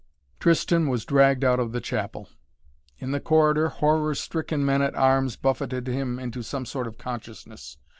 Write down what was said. Tristan was dragged out of the chapel. In the corridor horror stricken men at arms buffeted him into some sort of consciousness.